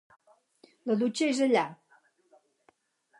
La dutxa és allà.